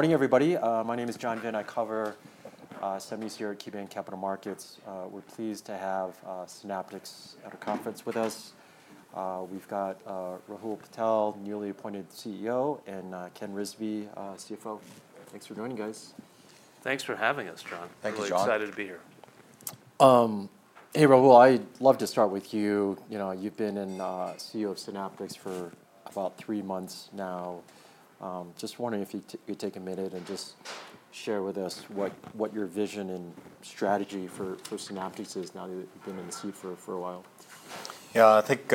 Good morning, everybody. My name is John Vinh. I cover [semis] here at KeyBanc Capital Markets. We're pleased to have Synaptics at our conference with us. We've got Rahul Patel, newly appointed CEO, and Ken Rizvi, CFO. Thanks for joining, guys. Thanks for having us, John. Thanks, John. Really excited to be here. Hey, Rahul, I'd love to start with you. You've been CEO of Synaptics for about three months now. Just wondering if you could take a minute and just share with us what your vision and strategy for Synaptics is now that you've been in the seat for a while. Yeah, I think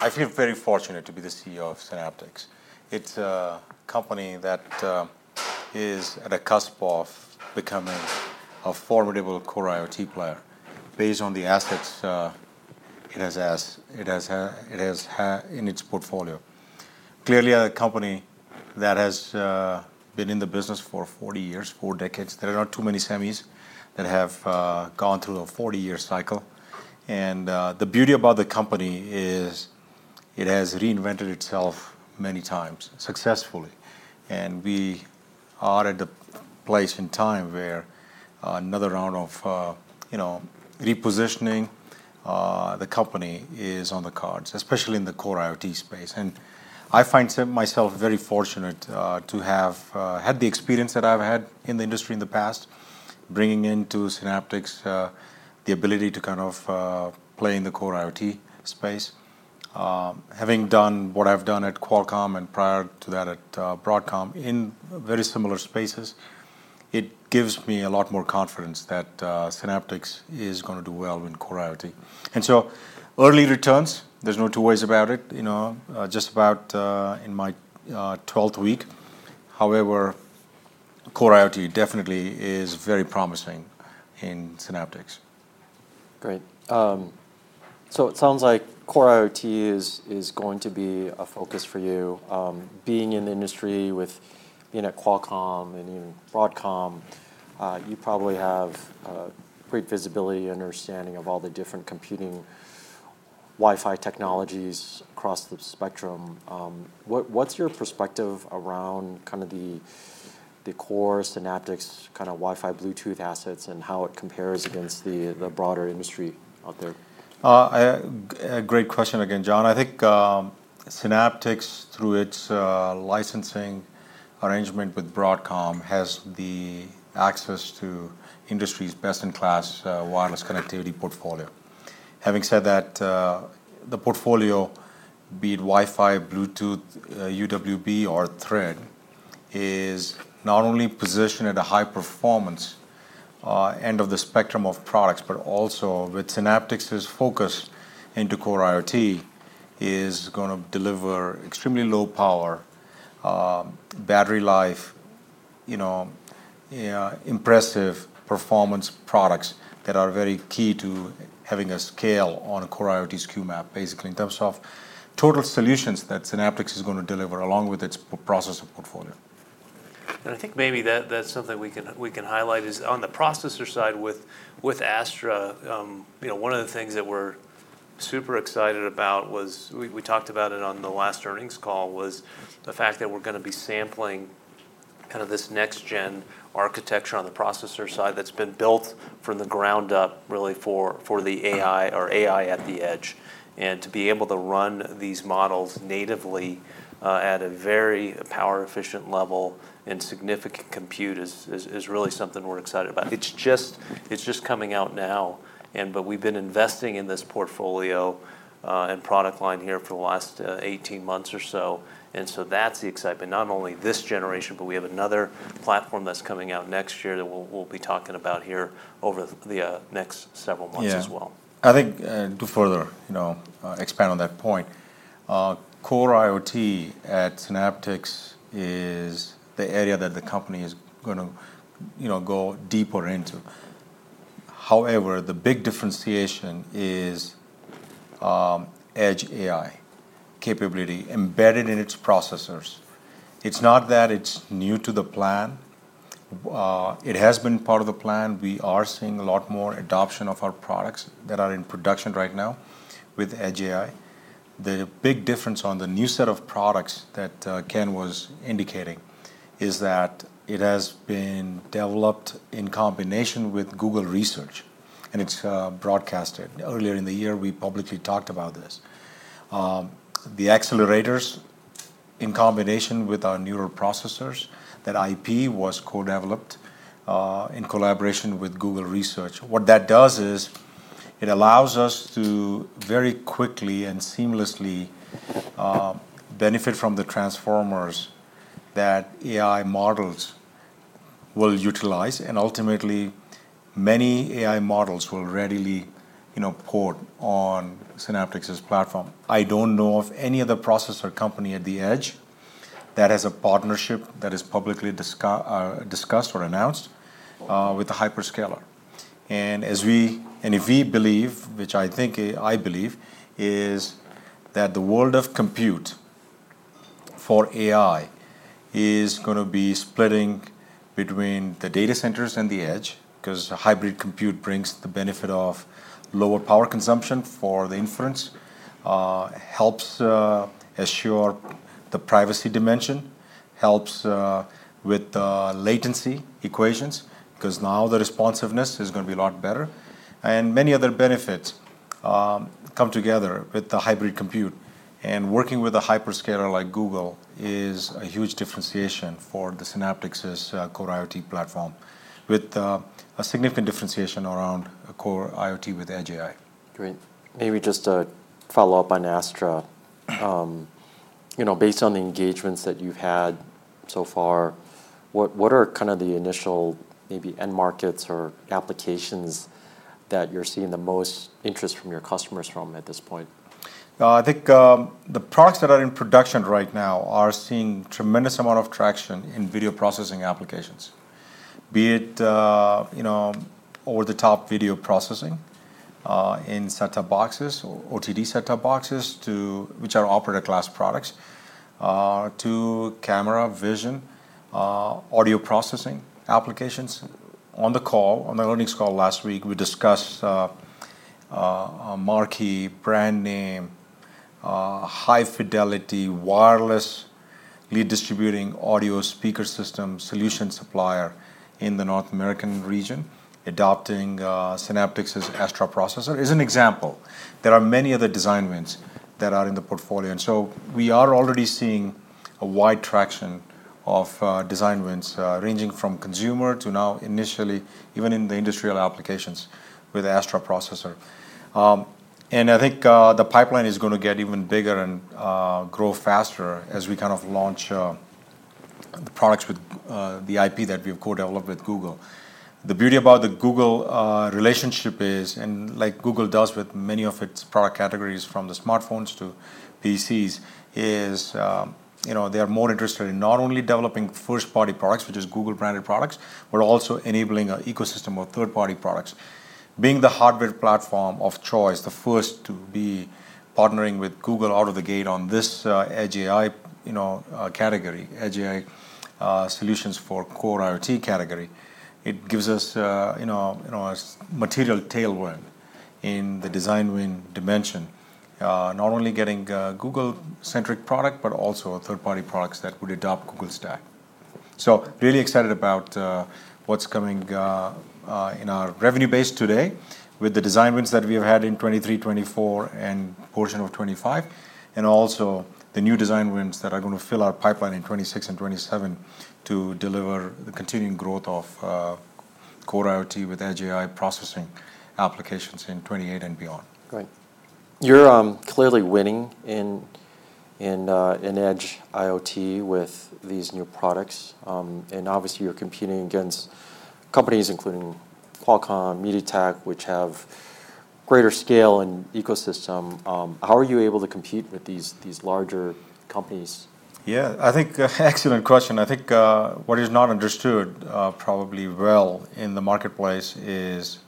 I feel very fortunate to be the CEO of Synaptics. It's a company that is at the cusp of becoming a formidable Core IoT player based on the assets it has in its portfolio. Clearly, a company that has been in the business for 40 years, four decades. There are not too many [semis] that have gone through a 40-year cycle. The beauty about the company is it has reinvented itself many times successfully. We are at the place in time where another round of repositioning the company is on the cards, especially in the Core IoT space. I find myself very fortunate to have had the experience that I've had in the industry in the past, bringing into Synaptics the ability to kind of play in the Core IoT space. Having done what I've done at Qualcomm and prior to that at Broadcom in very similar spaces, it gives me a lot more confidence that Synaptics is going to do well in Core IoT. Early returns, there's no two ways about it. Just about in my 12th week. However, Core IoT definitely is very promising in Synaptics. Great. It sounds like Core IoT is going to be a focus for you. Being in the industry with Qualcomm and even Broadcom, you probably have great visibility and understanding of all the different computing Wi-Fi technologies across the spectrum. What's your perspective around the Core Synaptics Wi-Fi Bluetooth assets and how it compares against the broader industry out there? Great question again, John. I think Synaptics, through its licensing arrangement with Broadcom, has the access to industry's best-in-class wireless connectivity portfolio. Having said that, the portfolio, be it Wi-Fi, Bluetooth, UWB, or Thread, is not only positioned at a high-performance end of the spectrum of products, but also with Synaptics' focus into Core IoT, is going to deliver extremely low power, battery life, impressive performance products that are very key to having a scale on a Core IoT's [QMAP], basically, in terms of total solutions that Synaptics is going to deliver along with its processor portfolio. I think maybe that's something we can highlight is on the processor side with Astra. You know, one of the things that we're super excited about was we talked about it on the last earnings call was the fact that we're going to be sampling kind of this next-gen architecture on the processor side that's been built from the ground up really for the AI or AI at the edge. To be able to run these models natively at a very power-efficient level and significant compute is really something we're excited about. It's just coming out now. We've been investing in this portfolio and product line here for the last 18 months or so, and so that's the excitement. Not only this generation, but we have another platform that's coming out next year that we'll be talking about here over the next several months as well. Yeah, I think to further expand on that point, Core IoT at Synaptics is the area that the company is going to go deeper into. However, the big differentiation is Edge AI capability embedded in its processors. It's not that it's new to the plan. It has been part of the plan. We are seeing a lot more adoption of our products that are in production right now with Edge AI. The big difference on the new set of products that Ken was indicating is that it has been developed in combination with Google Research. It's broadcasted. Earlier in the year, we publicly talked about this. The accelerators in combination with our neural processors, that IP was co-developed in collaboration with Google Research. What that does is it allows us to very quickly and seamlessly benefit from the transformers that AI models will utilize. Ultimately, many AI models will readily port on Synaptics' platform. I don't know of any other processor company at the edge that has a partnership that is publicly discussed or announced with the hyperscaler. If we believe, which I think I believe, the world of compute for AI is going to be splitting between the data centers and the edge because hybrid compute brings the benefit of lower power consumption for the inference, helps assure the privacy dimension, helps with the latency equations because now the responsiveness is going to be a lot better. Many other benefits come together with the hybrid compute. Working with a hyperscaler like Google is a huge differentiation for the Synaptics Core IoT platform with a significant differentiation around Core IoT with Edge AI. Great. Maybe just to follow up on Astra, based on the engagements that you've had so far, what are kind of the initial maybe end markets or applications that you're seeing the most interest from your customers from at this point? I think the products that are in production right now are seeing a tremendous amount of traction in video processing applications, be it, you know, over-the-top video processing in set-top boxes, OTT set-top boxes, which are operator-class products, to camera vision, audio processing applications. On the earnings call last week, we discussed a marquee brand name, high-fidelity wireless lead distributing audio speaker system solution supplier in the North America region adopting Synaptics' Astra processor as an example. There are many other design wins that are in the portfolio. We are already seeing a wide traction of design wins ranging from consumer to now initially even in the industrial applications with the Astra processor. I think the pipeline is going to get even bigger and grow faster as we kind of launch the products with the IP that we have co-developed with Google. The beauty about the Google relationship is, and like Google does with many of its product categories from the smartphones to PCs, is, you know, they are more interested in not only developing first-party products, which are Google-branded products, but also enabling an ecosystem of third-party products. Being the hardware platform of choice, the first to be partnering with Google out of the gate on this Edge AI, you know, category, Edge AI solutions for Core IoT category, it gives us, you know, a material tailwind in the design win dimension, not only getting a Google-centric product, but also a third-party product that would adopt Google stack. Really excited about what's coming in our revenue base today with the design wins that we have had in 2023, 2024, and a portion of 2025, and also the new design wins that are going to fill our pipeline in 2026 and 2027 to deliver the continuing growth of Core IoT with Edge AI processing applications in 2028 and beyond. Great. You're clearly winning in Edge IoT with these new products. Obviously, you're competing against companies including Qualcomm and MediaTek, which have greater scale and ecosystem. How are you able to compete with these larger companies? Yeah, I think excellent question. I think what is not understood probably well in the marketplace is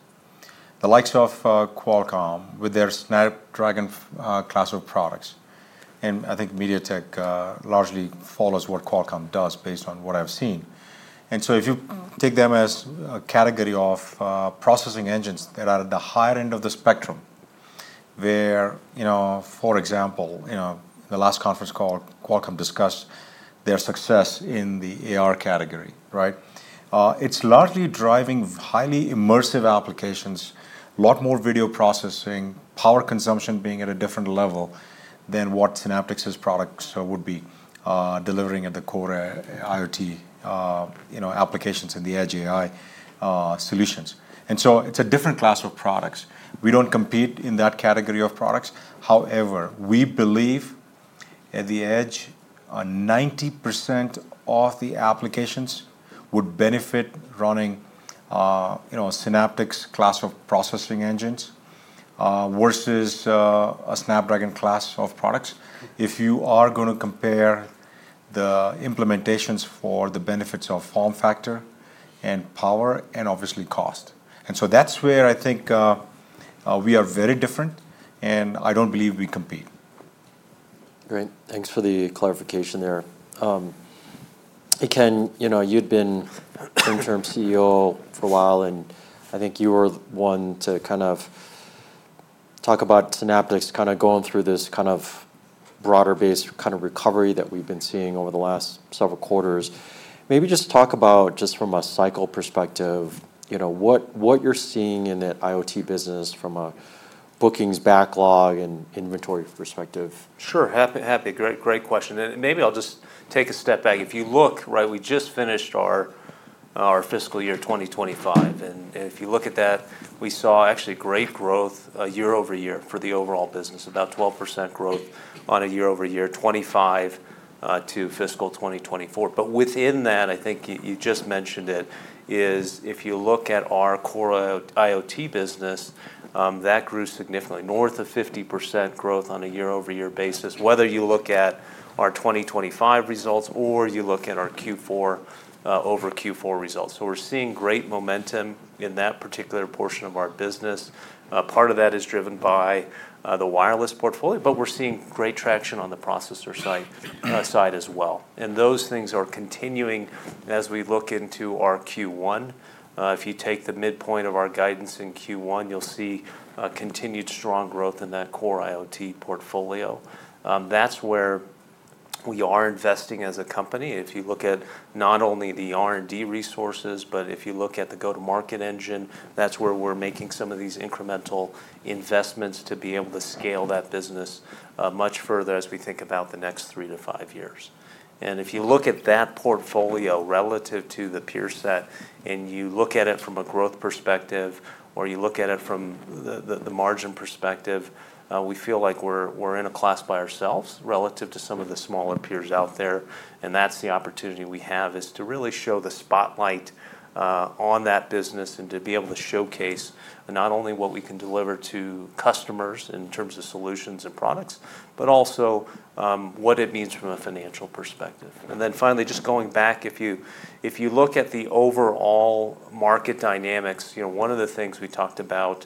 the likes of Qualcomm with their Snapdragon class of products. I think MediaTek largely follows what Qualcomm does based on what I've seen. If you take them as a category of processing engines that are at the higher end of the spectrum where, for example, the last conference call, Qualcomm discussed their success in the AR category, right? It's largely driving highly immersive applications, a lot more video processing, power consumption being at a different level than what Synaptics' products would be delivering at the Core IoT applications in the Edge AI solutions. It's a different class of products. We don't compete in that category of products. However, we believe at the edge, 90% of the applications would benefit running Synaptics' class of processing engines versus a Snapdragon class of products if you are going to compare the implementations for the benefits of form factor and power and obviously cost. That's where I think we are very different. I don't believe we compete. Great. Thanks for the clarification there. Ken, you know, you'd been CEO for a while. I think you were one to kind of talk about Synaptics kind of going through this kind of broader-based kind of recovery that we've been seeing over the last several quarters. Maybe just talk about just from a cycle perspective, you know, what you're seeing in the IoT business from a bookings backlog and inventory perspective. Sure, happy. Great question. Maybe I'll just take a step back. If you look, right, we just finished our fiscal year 2025. If you look at that, we saw actually great growth year over year for the overall business, about 12% growth on a year-over-year, 25% to fiscal 2024. Within that, I think you just mentioned it, if you look at our Core IoT business, that grew significantly north of 50% growth on a year-over-year basis, whether you look at our 2025 results or you look at our Q4 over Q4 results. We're seeing great momentum in that particular portion of our business. Part of that is driven by the wireless portfolio, but we're seeing great traction on the processor side as well. Those things are continuing as we look into our Q1. If you take the midpoint of our guidance in Q1, you'll see continued strong growth in that Core IoT portfolio. That's where we are investing as a company. If you look at not only the R&D resources, but if you look at the go-to-market engine, that's where we're making some of these incremental investments to be able to scale that business much further as we think about the next three to five years. If you look at that portfolio relative to the peer set and you look at it from a growth perspective or you look at it from the margin perspective, we feel like we're in a class by ourselves relative to some of the smaller peers out there. That's the opportunity we have is to really show the spotlight on that business and to be able to showcase not only what we can deliver to customers in terms of solutions and products, but also what it means from a financial perspective. Finally, just going back, if you look at the overall market dynamics, one of the things we talked about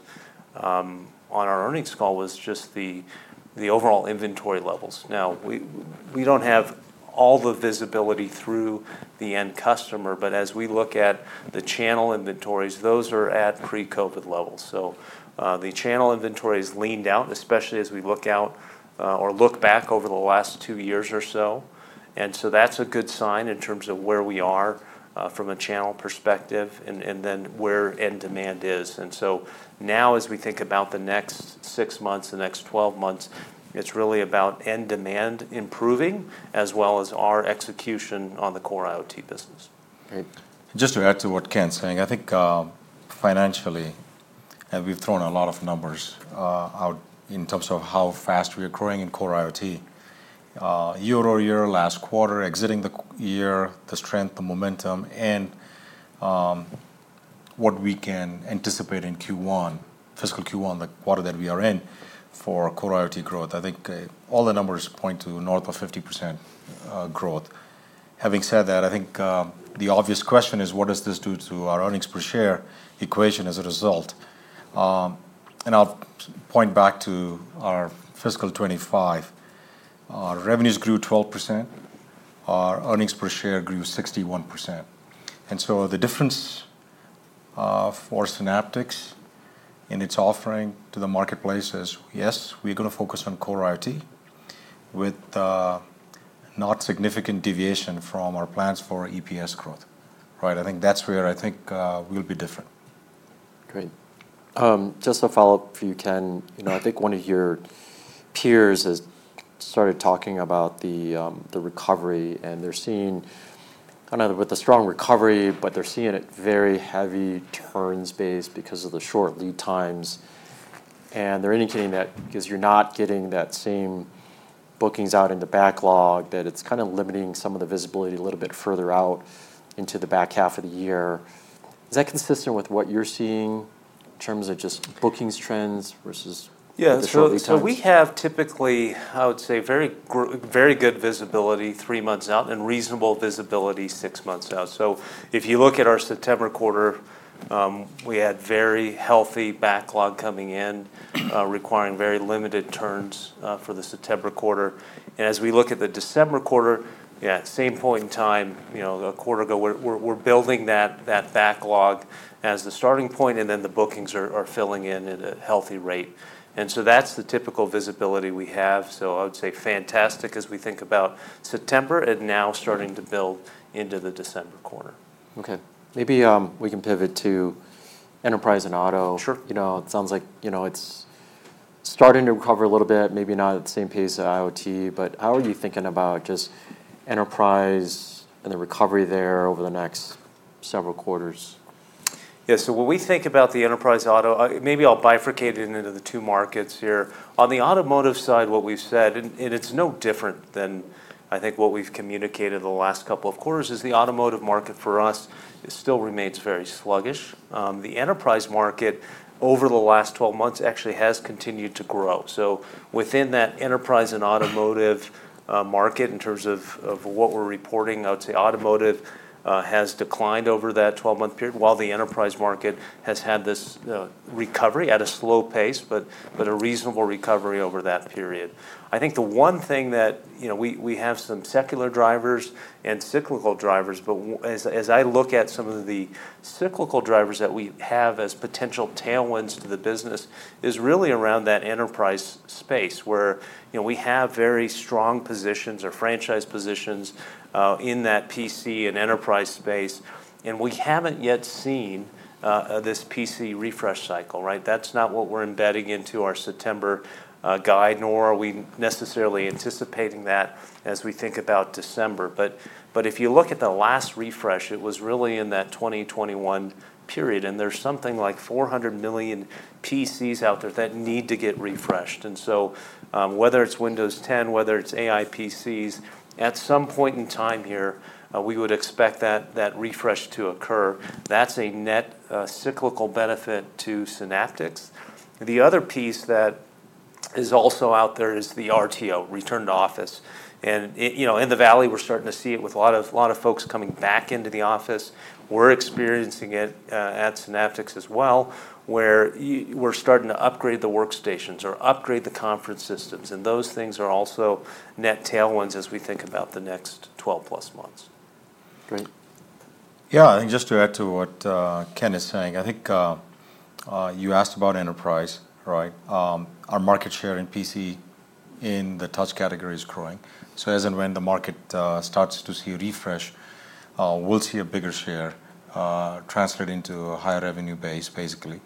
on our earnings call was just the overall inventory levels. Now, we don't have all the visibility through the end customer, but as we look at the channel inventories, those are at pre-COVID levels. The channel inventories leaned out, especially as we look out or look back over the last two years or so. That's a good sign in terms of where we are from a channel perspective and then where end demand is. Now, as we think about the next six months, the next 12 months, it's really about end demand improving as well as our execution on the Core IoT business. Just to add to what Ken's saying, I think financially, we've thrown a lot of numbers out in terms of how fast we are growing in Core IoT. Year over year, last quarter, exiting the year, the strength, the momentum, and what we can anticipate in Q1, fiscal Q1, the quarter that we are in for Core IoT growth. I think all the numbers point to north of 50% growth. Having said that, I think the obvious question is, what does this do to our earnings per share equation as a result? I'll point back to our fiscal 2025. Our revenues grew 12%. Our earnings per share grew 61%. The difference for Synaptics in its offering to the marketplace is, yes, we're going to focus on Core IoT with not significant deviation from our plans for EPS growth. I think that's where I think we'll be different. Great. Just to follow up for you, Ken, I think one of your peers has started talking about the recovery, and they're seeing kind of a strong recovery, but they're seeing it very heavy turns based because of the short lead times. They're indicating that because you're not getting that same bookings out in the backlog, it's kind of limiting some of the visibility a little bit further out into the back half of the year. Is that consistent with what you're seeing in terms of just bookings trends versus the short lead times? We have typically, I would say, very, very good visibility three months out and reasonable visibility six months out. If you look at our September quarter, we had very healthy backlog coming in, requiring very limited turns for the September quarter. As we look at the December quarter, at the same point in time, a quarter ago, we're building that backlog as the starting point, and then the bookings are filling in at a healthy rate. That's the typical visibility we have. I would say fantastic as we think about September and now starting to build into the December quarter. Okay. Maybe we can pivot to enterprise and auto. Sure. It sounds like it's starting to recover a little bit, maybe not at the same pace as IoT, but how are you thinking about just enterprise and the recovery there over the next several quarters? Yeah, so when we think about the enterprise auto, maybe I'll bifurcate it into the two markets here. On the automotive side, what we've said, and it's no different than I think what we've communicated the last couple of quarters, is the automotive market for us still remains very sluggish. The enterprise market over the last 12 months actually has continued to grow. Within that enterprise and automotive market, in terms of what we're reporting, I would say automotive has declined over that 12-month period, while the enterprise market has had this recovery at a slow pace, but a reasonable recovery over that period. I think the one thing that, you know, we have some secular drivers and cyclical drivers, but as I look at some of the cyclical drivers that we have as potential tailwinds to the business, is really around that enterprise space where, you know, we have very strong positions or franchise positions in that PC and enterprise space. We haven't yet seen this PC refresh cycle, right? That's not what we're embedding into our September guide, nor are we necessarily anticipating that as we think about December. If you look at the last refresh, it was really in that 2021 period, and there's something like 400 million PCs out there that need to get refreshed. Whether it's Windows 10, whether it's AI PCs, at some point in time here, we would expect that refresh to occur. That's a net cyclical benefit to Synaptics. The other piece that is also out there is the RTO, return to office. In the Valley, we're starting to see it with a lot of folks coming back into the office. We're experiencing it at Synaptics as well, where we're starting to upgrade the workstations or upgrade the conference systems. Those things are also net tailwinds as we think about the next 12-plus months. Great. Yeah, I think just to add to what Ken is saying, I think you asked about enterprise, right? Our market share in PC in the touch category is growing. As and when the market starts to see a refresh, we'll see a bigger share translated into a higher revenue base, basically.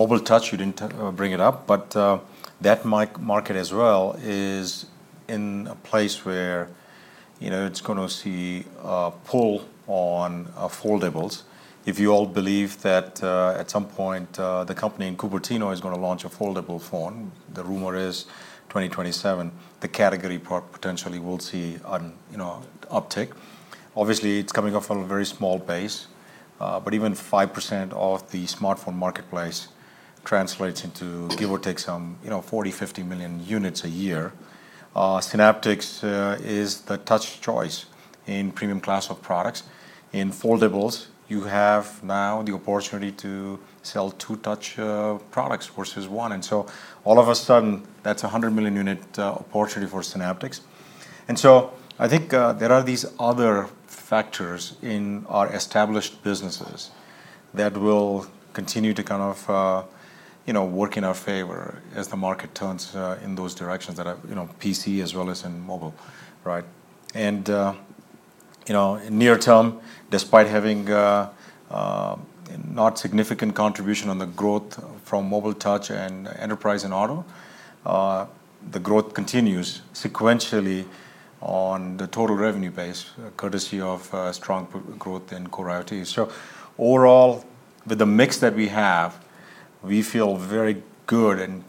Mobile touch, you didn't bring it up, but that market as well is in a place where it's going to see a pull on foldables. If you all believe that at some point the company in Cupertino is going to launch a foldable phone, the rumor is 2027, the category potentially will see an uptick. Obviously, it's coming off on a very small base, but even 5% of the smartphone marketplace translates into, give or take, some 40 million, 50 million units a year. Synaptics is the touch choice in premium class of products. In foldables, you have now the opportunity to sell two touch products versus one. All of a sudden, that's a 100 million unit opportunity for Synaptics. I think there are these other factors in our established businesses that will continue to kind of work in our favor as the market turns in those directions that are PC as well as in mobile, right? In near term, despite having not significant contribution on the growth from mobile touch and enterprise and auto, the growth continues sequentially on the total revenue base, courtesy of strong growth in Core IoT. Overall, with the mix that we have, we feel very good.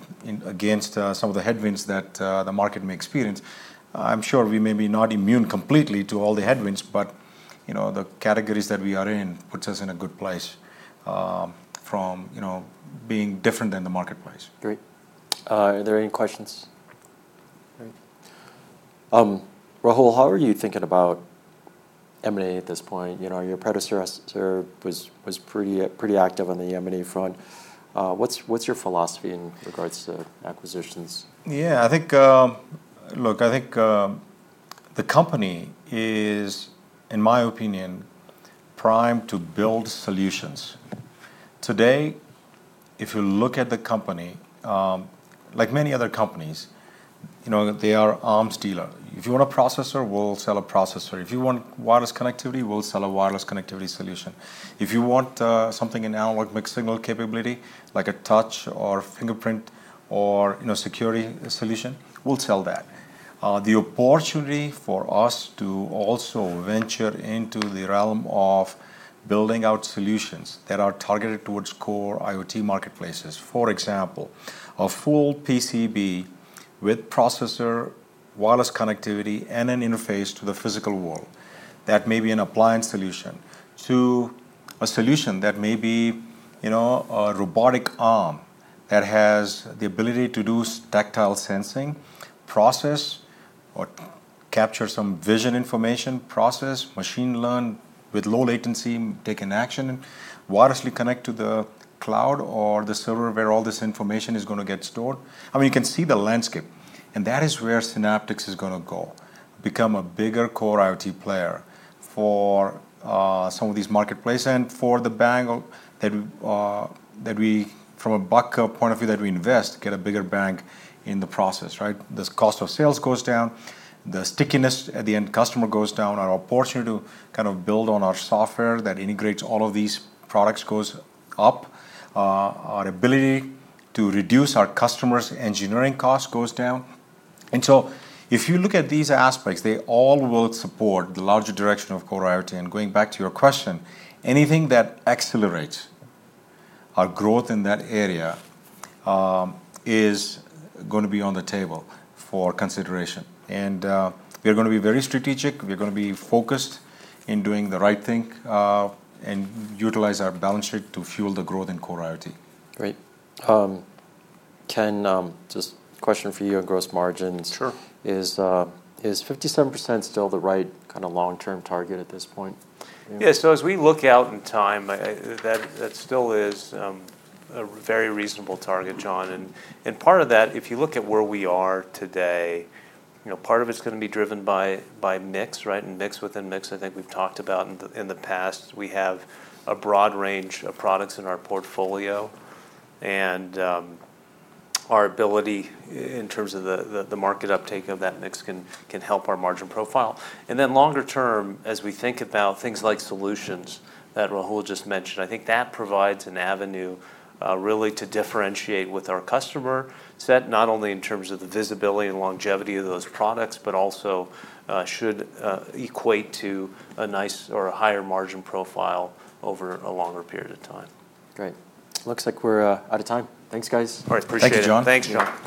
Against some of the headwinds that the market may experience, I'm sure we may be not immune completely to all the headwinds, but the categories that we are in put us in a good place from being different than the marketplace. Great. Are there any questions? Rahul, how are you thinking about M&A at this point? Your predecessor was pretty active on the M&A front. What's your philosophy in regards to acquisitions? Yeah, I think the company is, in my opinion, primed to build solutions. Today, if you look at the company, like many other companies, they are arms dealers. If you want a processor, we'll sell a processor. If you want wireless connectivity, we'll sell a wireless connectivity solution. If you want something in analog mixed signal capability, like a touch or fingerprint or security solution, we'll sell that. The opportunity for us to also venture into the realm of building out solutions that are targeted towards Core IoT marketplaces, for example, a full PCB with processor, wireless connectivity, and an interface to the physical world, that may be an appliance solution to a solution that may be a robotic arm that has the ability to do tactile sensing, process or capture some vision information, process, machine learn with low latency, take an action, and wirelessly connect to the cloud or the server where all this information is going to get stored. You can see the landscape. That is where Synaptics is going to go, become a bigger Core IoT player for some of these marketplaces and for the buck that we, from a buck point of view, that we invest, get a bigger bang in the process, right? The cost of sales goes down. The stickiness at the end customer goes down. Our opportunity to kind of build on our software that integrates all of these products goes up. Our ability to reduce our customers' engineering costs goes down. If you look at these aspects, they all will support the larger direction of Core IoT. Going back to your question, anything that accelerates our growth in that area is going to be on the table for consideration. We're going to be very strategic. We're going to be focused in doing the right thing and utilize our balance sheet to fuel the growth in Core IoT. Great. Ken, just a question for you on gross margins. Sure. Is 57% still the right kind of long-term target at this point? As we look out in time, that still is a very reasonable target, John. Part of that, if you look at where we are today, is going to be driven by mix, right? Mix within mix, I think we've talked about in the past. We have a broad range of products in our portfolio, and our ability in terms of the market uptake of that mix can help our margin profile. Longer term, as we think about things like solutions that Rahul just mentioned, I think that provides an avenue to really differentiate with our customer set, not only in terms of the visibility and longevity of those products, but also should equate to a nice or a higher margin profile over a longer period of time. Great. Looks like we're out of time. Thanks, guys. All right. Thank you, John. Thanks, John.